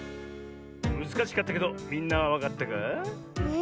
むずかしかったけどみんなはわかったかあ？